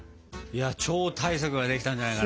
超大作ができたんじゃないかな。